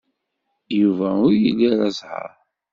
Yuba ur ili ara zzheṛ.